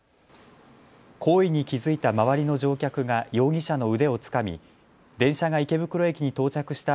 行為に気付いた周りの乗客が容疑者の腕をつかみ、電車が池袋駅に到着した